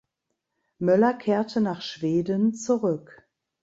Möller kehrte nach Schweden zurück.